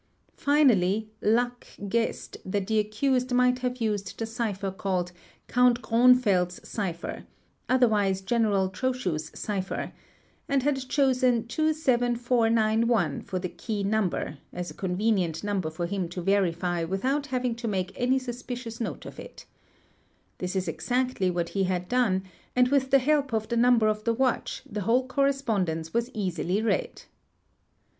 Finally "luck" guessed that the accused might have used the cipher called Count Gronfeld's cipher (otherwise General Trochu's cipher) and had chosen 27491 for the key number, as a convenient number for him to verify without having to make any suspicious note of | This is exactly what he had done, and with the help of the number of the watch the whole correspondence was easily read.